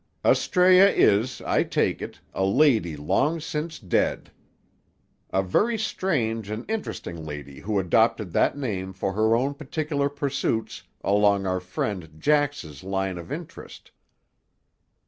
"Astræa is, I take it, a lady long since dead. A very strange and interesting lady who adopted that name for her own peculiar pursuits along our friend Jax's lines of interest."